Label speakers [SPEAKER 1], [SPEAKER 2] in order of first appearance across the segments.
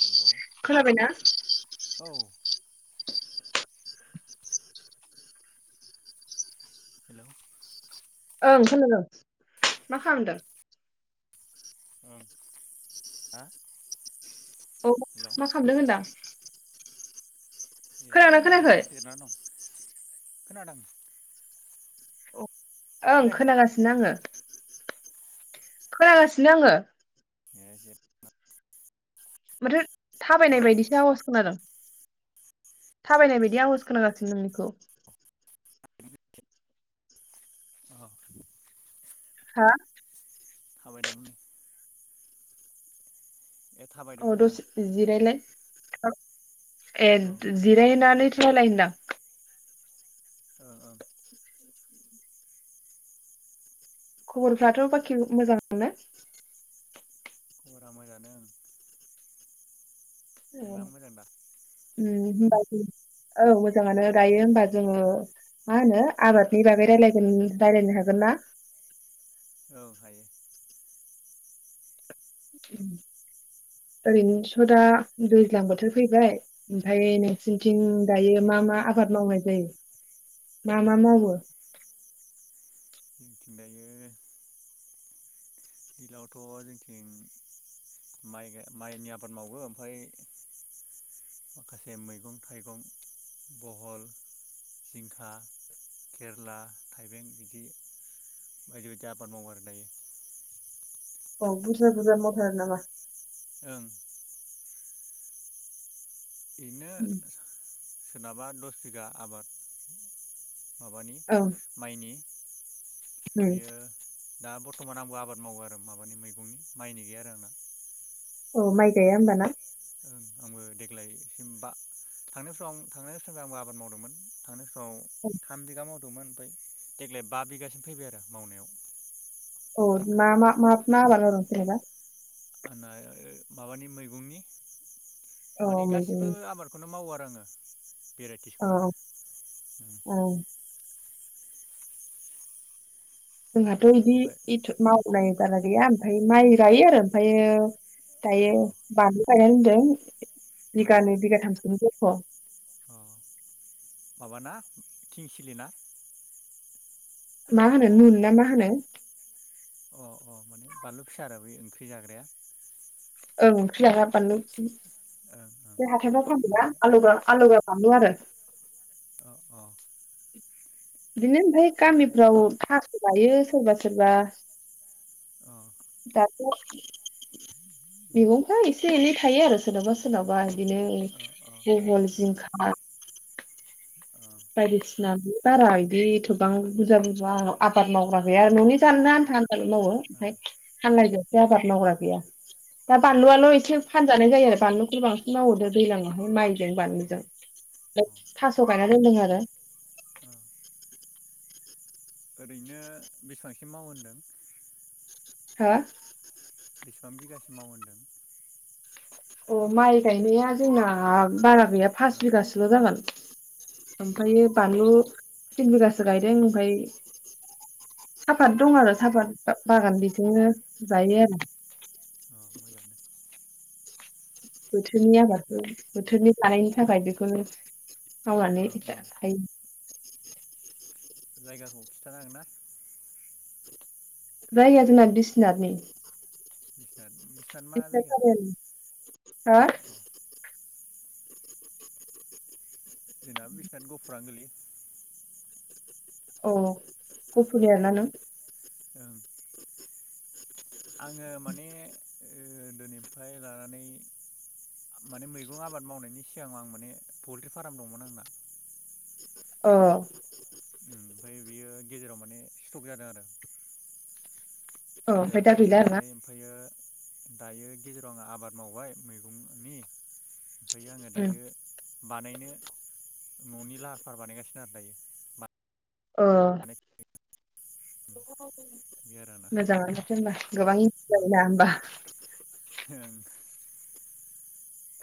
[SPEAKER 1] हेल' औ
[SPEAKER 2] खोनाबायना?
[SPEAKER 1] हेल
[SPEAKER 2] ओं खोनादों मा खालामदों
[SPEAKER 1] उम हा
[SPEAKER 2] औ मा खालामदों होनदां खोनादोंना
[SPEAKER 1] एैनो
[SPEAKER 2] खोनायाखै
[SPEAKER 1] जना दं। खोनादों।
[SPEAKER 2] औ। ओं
[SPEAKER 1] खोनायाखै
[SPEAKER 2] खोनागासिनो आङो खोनागासिनो आङो।
[SPEAKER 1] [unintelligible]
[SPEAKER 2] माथो
[SPEAKER 1] अ
[SPEAKER 2] थाबायनाय बायदिसो आवाज खोनादों। थाबायनाय बायदि आवाज खोनागासिनो नोंनिखौ।
[SPEAKER 1] औ
[SPEAKER 2] हा?
[SPEAKER 1] थाबायदोंमोन ए
[SPEAKER 2] औ
[SPEAKER 1] थाबायदोंमोन होनदां
[SPEAKER 2] द'से जिरायलाय। औ ए
[SPEAKER 1] औ
[SPEAKER 2] जिराइनानै राज्लाय होनदां
[SPEAKER 1] ओ औ
[SPEAKER 2] खबरफ्राथ' बाखि मोजां आनो
[SPEAKER 1] खबरा मोजां आनो ओं नोंना मोजांदा?
[SPEAKER 2] ओम होनबा ओम औ मोजाङानो दायो होनबा जोङो मा होनो आबादनि बागै रायलायगोन रायलायनो हागोन ना?
[SPEAKER 1] औ हायो।
[SPEAKER 2] ओरैनोस' दा दैज्लां बोथोर फैबाय ओमफ्राय नोंसोरनिथिं दायो मा मा आबाद मावनाय जायो मा मा मावो?
[SPEAKER 1] दायो दैज्लांवथ' जोंथिं माइ माइनि आबाद मावो ओमफ्राय माखासे मैगं थाइगं बहल जिंखा केरला थाइबें बिदि बायदि बायदि आबाद मावो आरो दायो।
[SPEAKER 2] औ बुरजा बुरजा मावथारो नामा?
[SPEAKER 1] ओं एरैनो सोरनाबा दस बिगा आबाद माबानि
[SPEAKER 2] औ
[SPEAKER 1] माइनि बियो दा बर्तमान आंबो आबाद मावो आरो माबानि मैगंनि माइनि गैया आरो आंना।
[SPEAKER 2] औ माइ गाया होमबाना?
[SPEAKER 1] ओं आंबो देग्लायसिमबा थांनाय बोसोराव आं थांनाय बोसोरनिफ्राय आंबो आबाद मावदोंमोन थांनाय समाव थाम बिगा माव दंमोन ओमफ्राय देग्लाय बा बिघासिम फैबाय आरो मावनायाव।
[SPEAKER 2] औ मा मा मा आबाद मावदों जेनेबा?
[SPEAKER 1] आना माबानि मैगंनि
[SPEAKER 2] औ
[SPEAKER 1] माने
[SPEAKER 2] मैगंनि
[SPEAKER 1] गासिबो आबादखौनो मावो आरो रोङो। भेराइटिसखौनो
[SPEAKER 2] औ औ जोंहाथ' बिदि
[SPEAKER 1] ओमफ्राय
[SPEAKER 2] इथ' माव उनाय बारा गैया ओमफाय माइ गायो आरो ओमफ्रायो दायो
[SPEAKER 1] अ
[SPEAKER 2] बानलु गायना दोनदों। [unintelligible] बिगानै बिगा थाम [unintelligible] अ
[SPEAKER 1] अह माबाना किं सिलि ना?
[SPEAKER 2] मा होनो नुन ना मा होनो
[SPEAKER 1] अ अ माने बानलु फिसा आरो बै ओंख्रि जाग्राया।
[SPEAKER 2] ओं ओंख्रि जाग्रा बानलु थिखिनि
[SPEAKER 1] ओं ओं
[SPEAKER 2] बे हाथायफ्राव फानोना
[SPEAKER 1] ओमफ्राय
[SPEAKER 2] आलुल' आलुल' [unintelligible] आरो
[SPEAKER 1] अ अ
[SPEAKER 2] बिदिनो ओमफ्राय गामिफ्राव थास गायो सोरबा सोरबा दाब मैगंफ्रा एसे एनै थायो आरो सोरनावबा सोरनावबा बिदिनो बहल, जिंखा औ बायदिसिना बारा बिदि थ'बां बुरजा बुरजा आबाद मावग्रा गैया आरो न'नि जानो आनथा आबाद मावो ओमफ्राय फानलायगोन बे आबाद मावग्रा गैया दा बानलुआल' एसे फानजानाय जायो आरो बानलुखौ बांसिन मावहरदो दैज्ला मावहाय माइजों बानलुजों थास' गायनानै रोंदों आरो
[SPEAKER 1] ओरैनो बेसेबांसिम मावो होनदों
[SPEAKER 2] हो?
[SPEAKER 1] बेसेबां बिगासो मावो होनदों?
[SPEAKER 2] अ माइ गायनाया जोंना बारा गैया फास
[SPEAKER 1] ओं
[SPEAKER 2] बिगासोल' जागोन।
[SPEAKER 1] अ
[SPEAKER 2] ओमफ्राय बानलु थिन बिगासो गायदों ओमफ्राय
[SPEAKER 1] अ
[SPEAKER 2] सापात दं आरो सापात बागान
[SPEAKER 1] अ
[SPEAKER 2] बिजोंनो जायो आरो।
[SPEAKER 1] अ मोजाङानो
[SPEAKER 2] बोथोरनि
[SPEAKER 1] जा
[SPEAKER 2] आबादखौ बोथोरनि जानायनि थाखाय बेखौनो मावनानै
[SPEAKER 1] ओं ओं
[SPEAKER 2] जायो।
[SPEAKER 1] जायगाखौ खिन्थानांगोन ना?
[SPEAKER 2] जायगाया जोंना बिस्वानातनि
[SPEAKER 1] बिसाद
[SPEAKER 2] बिसनाट
[SPEAKER 1] अ
[SPEAKER 2] चारियाली
[SPEAKER 1] अ
[SPEAKER 2] हो [inaudible]
[SPEAKER 1] जेनब बिसि गुफुरानो गोलैयो
[SPEAKER 2] औ गपुरनि आरोना
[SPEAKER 1] उम,
[SPEAKER 2] नों
[SPEAKER 1] ओं आङो माने दिनैफ्राय लानानै माने मैगं आबाद मावनायनि सिगांआव आं माने पलट्रि फार्म दंमोन आंना।
[SPEAKER 2] अ
[SPEAKER 1] उम, ओमफ्राय बियो गेजेराव माने स्टक जादों आरो
[SPEAKER 2] अ
[SPEAKER 1] गेजेराव
[SPEAKER 2] ओमफ्राय दा
[SPEAKER 1] सिथर
[SPEAKER 2] गैला आरोना
[SPEAKER 1] जानानै ओमफ्रायो दायो गेजेराव आङो आबाद मावबाय मैगंनि फैयो आं दायो बानायनो न'नि लाहार फाहार बानायगासिनो आरो दायो। मा
[SPEAKER 2] अ बे
[SPEAKER 1] आरो आंना
[SPEAKER 2] मोजांआनोथ होनबा गोबां मुलाम्फा
[SPEAKER 1] ओं
[SPEAKER 2] जायोना होनबा
[SPEAKER 1] ओं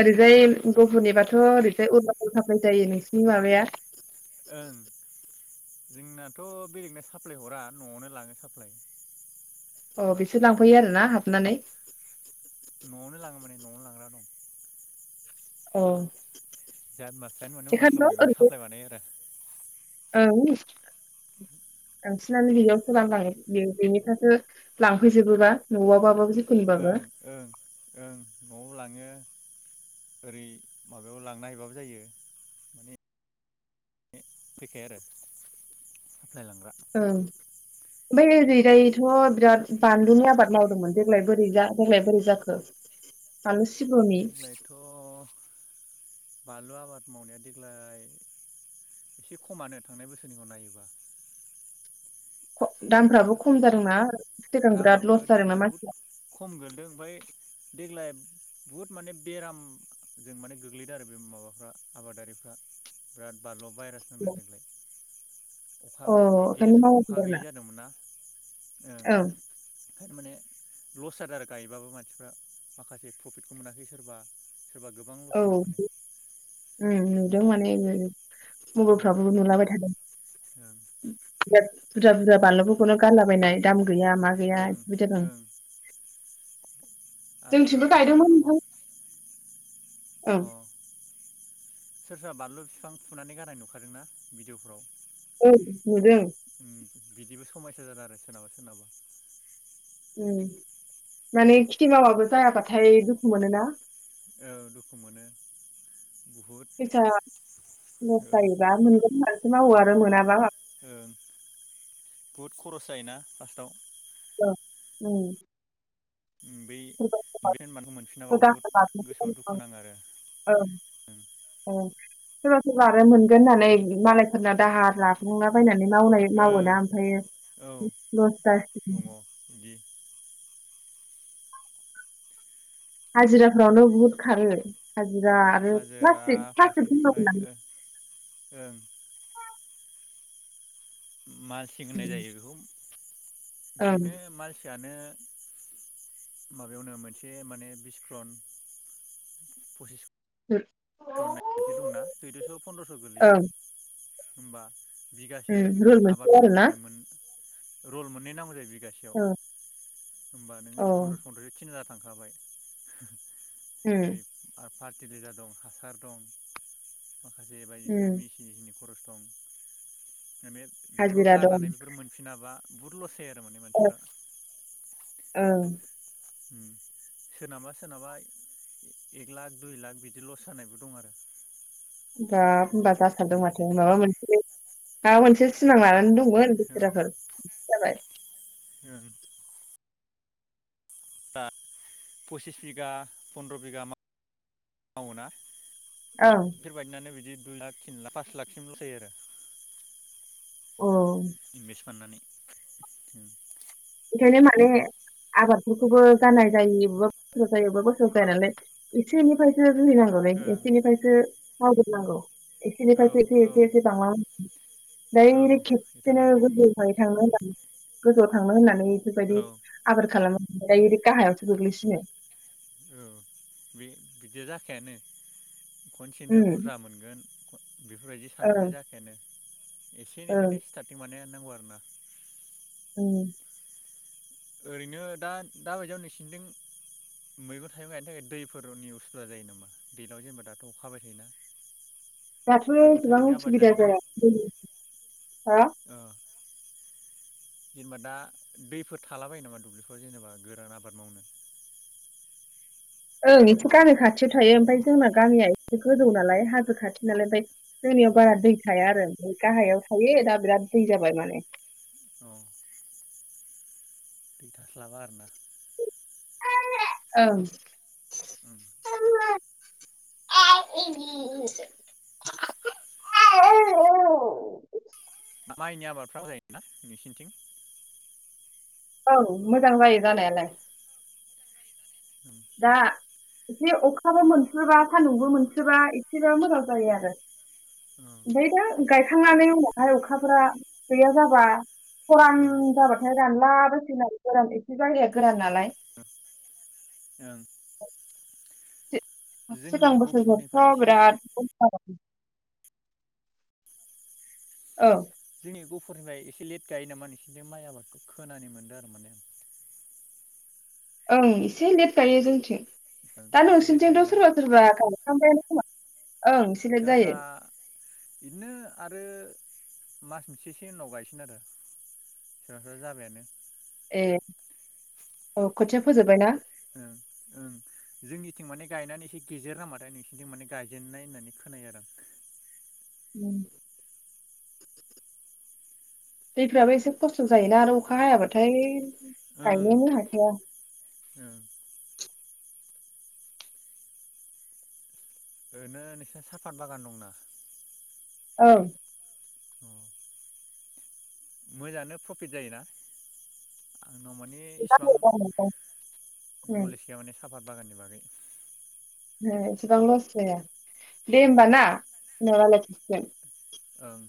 [SPEAKER 2] ओरैजाय
[SPEAKER 1] बे
[SPEAKER 2] गुबुहुनिबाथ'ओरैजाय उ हाबाय [inaudible] जायो नोंसिनि माबाया।
[SPEAKER 1] ओं जोंनाथ' बेलेगनो साप्लाय हरा न'आवनो लाङो साप्लाय।
[SPEAKER 2] अ बिसोर लांफैयो आरोना हाबनानै।
[SPEAKER 1] न'आवनो लाङो माने न'आवनो लांग्रा दं।
[SPEAKER 2] औ
[SPEAKER 1] ज माखायानो माने अुनाचलाव [inaudible] मैगं साप्लाय बानायो आरो।
[SPEAKER 2] औ बांसिनानो [unintelligible] बे बेनि थाखायो लांफैजोबोबा न'आवाबाबाबो
[SPEAKER 1] ओं ओं ओं न'आव लाङो। ओरै माबायाव लांना हैबाबो जायो माने। फैखाया आरो जाय लांग्रा
[SPEAKER 2] बैओरैजायथ' बिराद बानलुनि आबाद मावदोंमोन देग्लाय बोरै बोरै जाखो। बानलु सिब्र'नि
[SPEAKER 1] देग्लायथ' बानलु आबाद मावनाया देग्लाय एसे खमानो थांनाय बोसोरनिखौ नायोबा।
[SPEAKER 2] ह-दामफ्राबो
[SPEAKER 1] दा
[SPEAKER 2] खम जादोंना सिगां बिराद
[SPEAKER 1] दामाबो
[SPEAKER 2] लस जादोंना
[SPEAKER 1] बहुद खम गोलैदों ओमफ्राय
[SPEAKER 2] मानसिफोरा।
[SPEAKER 1] देग्लाय बुहुद माने बेरामजों माने गोग्लैदों आरो बे माबाफ्रा आबादारिफ्रा बिराद बारलब भाइरास होनो देग्लाय। अखा
[SPEAKER 2] अ
[SPEAKER 1] गेजेर
[SPEAKER 2] ओंखायनो
[SPEAKER 1] समाव अखा
[SPEAKER 2] [unintelligible]
[SPEAKER 1] [unintelligible] ओं
[SPEAKER 2] ओं
[SPEAKER 1] ओंखाय माने लस जादों आरो गायबाबो मानसिफ्रा माखासे प्रफिटखौ मोनाखै सोरबा सोरबा गोबां लस
[SPEAKER 2] औ
[SPEAKER 1] जादों माने
[SPEAKER 2] उम
[SPEAKER 1] ओं
[SPEAKER 2] नुदों माने उम [unintelligible]
[SPEAKER 1] ओं
[SPEAKER 2] फ्राबो नुलाबाय थादों। खोनायाखै बुरजा बुरजा बानलुफोरखौनो गानलाबायनाय दाम गैया मा गैया
[SPEAKER 1] ओं ओं
[SPEAKER 2] बिदि जादों।
[SPEAKER 1] ओं आरो सोरबा
[SPEAKER 2] जोंथिंबो
[SPEAKER 1] सोरबा बानलु
[SPEAKER 2] गायदोंमोन
[SPEAKER 1] दंफां
[SPEAKER 2] नोंथां। ओं
[SPEAKER 1] अ। सोर सोरहा बानलु बिफां फुनानै गारनाय नुखादोंना भिडिअफ्राव।
[SPEAKER 2] औ नुदों।
[SPEAKER 1] उम बिदिबो समायसा जादों आरो सोरनाबा सोरनाबा।
[SPEAKER 2] ओम माने खेथि मावबाबो जायाबाथाय दुखु मोनोना।
[SPEAKER 1] औ दुखु मोनो। बुहुद
[SPEAKER 2] फैसा लस
[SPEAKER 1] ओ
[SPEAKER 2] जायोबा मोनगोन होननासो मावो
[SPEAKER 1] उम
[SPEAKER 2] आरो मोनाबा
[SPEAKER 1] बुहुत खरस जायोना फार्स्टाव।
[SPEAKER 2] ओ उम
[SPEAKER 1] उम बै [unintelligible] मोनफिनाबा बुहुद
[SPEAKER 2] दाहार
[SPEAKER 1] गोसोआव
[SPEAKER 2] लाफिनो
[SPEAKER 1] दुखु नाङो आरो
[SPEAKER 2] ओं
[SPEAKER 1] ओं।
[SPEAKER 2] ओं सोरबा सोरबा आरो मोनगोन होननानै मालायफोरना दाहार लागुंला बायनानै मावनाय
[SPEAKER 1] ओं
[SPEAKER 2] मावोना ओमफ्राय लस जासिगोन
[SPEAKER 1] ओं औ दङ बिदि
[SPEAKER 2] हाजिराफ्रावनो बहुत खारो। हा बिरा आरो
[SPEAKER 1] हाजिरा
[SPEAKER 2] प्लास्तिक प्लासटिक
[SPEAKER 1] फारसेनिफ्राय
[SPEAKER 2] होनांगौ ना
[SPEAKER 1] ओ ओं मालसिं होननाय जायो बेखौ।
[SPEAKER 2] ओं ओं
[SPEAKER 1] बेनो माल [unintelligible] माबायावनो मोनसे माने बिस क्रन पसिस
[SPEAKER 2] होम
[SPEAKER 1] [unintelligible] दंना सैद'स' फन्द्रस' गोलैयो। होमबा बिगासे
[SPEAKER 2] ओम रुल
[SPEAKER 1] आबाद
[SPEAKER 2] मोनसे
[SPEAKER 1] मावनो
[SPEAKER 2] आरोना
[SPEAKER 1] थाखाय मोन रल मोननै नांगौ जायो बि गासेयाव
[SPEAKER 2] औ
[SPEAKER 1] होनबा नों ओरै फन्द्र फन्द्रयै तिन हाजार थांखाबाय
[SPEAKER 2] ओम
[SPEAKER 1] ओरै फार फार [inaudible] दं हासार दं माखासे जे बायदिसिना
[SPEAKER 2] ओम
[SPEAKER 1] मिसिजिंनि खरस [unintelligible] माने बेफोरखौ
[SPEAKER 2] हाजिरा
[SPEAKER 1] गारनानै बेफोर मोनफिनाबा, बुहुद लसेद,
[SPEAKER 2] ओ ओ
[SPEAKER 1] सोरनाबा सोरनाबा एक लाख दुइ लाख बिदि लस जानायबो दं आरो
[SPEAKER 2] बाप होमबा जासाबदों
[SPEAKER 1] ओरैबायदि
[SPEAKER 2] माथो माबा मोनसे माबा मोनसे सिमां लानानै दंमोन
[SPEAKER 1] औ
[SPEAKER 2] बेसेराफोर बिदिसो जाबाय
[SPEAKER 1] ओं दा पसिस बिगा फन्द्र बिगा [inaudible] मावो ना
[SPEAKER 2] ओं
[SPEAKER 1] बेफोर बायदिनानो बिदि, दुइ लाख तिन लाख पास लाखसिम लस जायो आरो
[SPEAKER 2] औ
[SPEAKER 1] इनभेस फाननानै, [unintelligible]
[SPEAKER 2] ओंखायनो माने आबादफोरखौबो जानाय जायि अबेबा बोसोराव जायो अबेबा बोसोराव जाया नालाय एसे एनिफ्रायसो सोलिनांगौलै
[SPEAKER 1] ओं
[SPEAKER 2] एसेनिफायसो - मावजोब नांगौ, एसेनिफायसो एसे
[SPEAKER 1] औ औ
[SPEAKER 2] एसे एसे बांलांनांगौ
[SPEAKER 1] औ
[SPEAKER 2] दायरेग
[SPEAKER 1] बेथ'
[SPEAKER 2] खेबसेनो
[SPEAKER 1] नंगौ
[SPEAKER 2] गोजौनिफाय थांनो होनबानो गोजौआव थां थांना होननानै, बेफोरबायदि
[SPEAKER 1] औ
[SPEAKER 2] आबोर खालामो ओमफाय ओरै गाहायावसो गोग्लैसिनो
[SPEAKER 1] औ बे बिदिया जाखायानो खनसेनो
[SPEAKER 2] ओम
[SPEAKER 1] बुरजा मोनगोन ख बेफोरबायदि सानबाथाय
[SPEAKER 2] ओं
[SPEAKER 1] जाखायानो एसेनिफ्रायनो
[SPEAKER 2] ओं
[SPEAKER 1] स्टारटिं माने नांगौ आरो ना
[SPEAKER 2] उम
[SPEAKER 1] ओरैनो दा दा बायदियाव नोंसिनिथिं मैगं थाइगं गायनो थाखाय दैफोरनि उसुबिदा जायो नामा दैलांआव जेनेबा दाथ' अखा हाबाय थायोना।
[SPEAKER 2] दाथ'
[SPEAKER 1] मैगं
[SPEAKER 2] एसेबां
[SPEAKER 1] थाइगंनि आबाद
[SPEAKER 2] उसुबुबिदा
[SPEAKER 1] जायोना
[SPEAKER 2] जाया उम हा?
[SPEAKER 1] ओ जेनेबा दा दैफो थाला बायो नामा दुब्लिफोराव जेनेबा गोरान आबाद मावनो
[SPEAKER 2] ओं एसे गामि खाथियाव थायो ओमफ्राय जोंना गामिया एसे गोजौ नालाय हाजो खाथि नालाय ओमफाय
[SPEAKER 1] औ
[SPEAKER 2] जोंनियाव बारा दै थाया आरो ओमफाय गाहायाव थायो दा बिराद दै जाबाय माने
[SPEAKER 1] औ दै थास्लाबा आरोना
[SPEAKER 2] [inaudible] ओं
[SPEAKER 1] ओं
[SPEAKER 2] [unintelligible]
[SPEAKER 1] माइनि आबादफ्राबो जायोना नोंसिनिथिं?
[SPEAKER 2] औ मोजां जायो जानायालाय।
[SPEAKER 1] ओं
[SPEAKER 2] दा एसे अखाबो मोनस्रोबा सान्दुंबो मोनसोबा एसेबाबो मोजां जायो आरो
[SPEAKER 1] ओं
[SPEAKER 2] ओमफाय दा गायखांनानै उनावहाय अखा खाफोरा गैया जाबा खरान जाबाथाय रानला बाय सिनाय गोरान एसे जायगाया गोरान नालाय।
[SPEAKER 1] [inaudible] ओं।
[SPEAKER 2] सि-
[SPEAKER 1] जोंनि
[SPEAKER 2] सिगां
[SPEAKER 1] गफुरनिफ्राय
[SPEAKER 2] बोसोरबोथ'
[SPEAKER 1] एसे
[SPEAKER 2] बिराद औ। औ।
[SPEAKER 1] गफुरनिफाय एसे लेट गायो नामा नोंसोनिथिं माइ आबादखो खोनानो मोनदो आरो माने।
[SPEAKER 2] ओं इसे लेट गायो जोंथिं।
[SPEAKER 1] आं
[SPEAKER 2] दा
[SPEAKER 1] एसे लेट
[SPEAKER 2] नोंसिनिथिंथ'
[SPEAKER 1] गायोना
[SPEAKER 2] सोरबा सोरबा गायखांबायानो खोमा ओं एसे लेट जायो।
[SPEAKER 1] इदिनो आरो मास मोनसेसोनि उनाव गायसिगोन आरो। सोबा सोबा जाबायानो।
[SPEAKER 2] ए औ खोथिया फोजोबबाय ना?
[SPEAKER 1] ओं ओं जोंनिथिं माने गायनानै एसे गेजेर नांबाथाय नोंसिनिथिं माने गायजेननाय होननानै खोनायो आरो आं।
[SPEAKER 2] उम दैफोराबो एसे खस्थ' जायोना आरो अखा हायाबाथाय
[SPEAKER 1] ओं
[SPEAKER 2] गायनोनो हाखाया।
[SPEAKER 1] ओं ओरनो नोंसिना साफात बागान दंना
[SPEAKER 2] औ।
[SPEAKER 1] अह। मोजाङानो प्रफिट जायोना? नाव माने इसिबां
[SPEAKER 2] ओं ओं
[SPEAKER 1] नलेज गैया माने साफात बागाननि बागै
[SPEAKER 2] हे इसिबां लस जाया। दे
[SPEAKER 1] अ
[SPEAKER 2] होमबा ना उनाव राय [unintelligible]
[SPEAKER 1] ओम